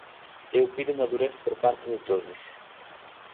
Eu pido madurez por parte de todos.